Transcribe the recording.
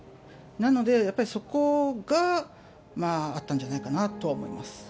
なので、やっぱりそこがあったんじゃないかなとは思います。